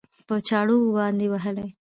په چاړو باندې وهلى؟